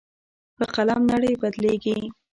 په قلم نړۍ بدلېږي.